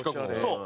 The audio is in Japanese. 「そう」